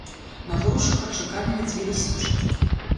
На грошах адчаканены дзве лісічкі.